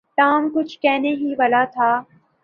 Tom کچھ کہنے ہی والا تھا۔